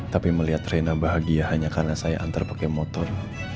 tapi melihat reina bahagia hanya karena saya antar pakai motor